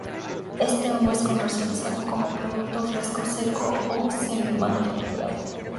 Este hongo es comercializado como producto fresco, seco o semi manufacturado.